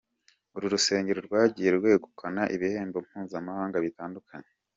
Uru rusengero rwagiye rwegukana ibihembo mpuzamahanga bitandukanye.